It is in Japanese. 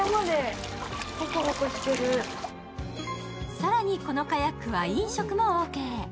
更にこのカヤックは飲食もオーケー。